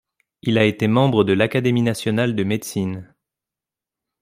Il a été membre de l'académie nationale de médecine.